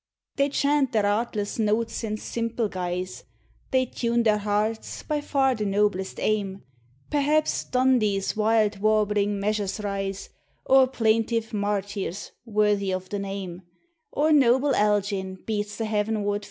They chant their artless notes in simple guise; |They tune their hearts, by far the noblest aim : Perhaps "Dundee's" wild warbling measures rise, Or plaintive " Martyrs," worthy of the name; Or noble " Elgin " beets If the heavenward flame, * Cow.